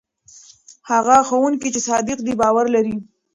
هغه ښوونکی چې صادق دی باور لري.